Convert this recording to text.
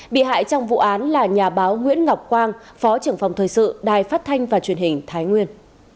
bị hại trong vụ án là nhà báo nguyễn ngọc quang phó trưởng phòng thời sự đài phát thanh và truyền hình thái nguyên